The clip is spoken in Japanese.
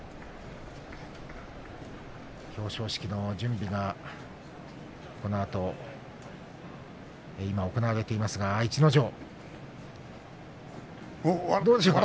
表彰式の準備が今、行われています、逸ノ城。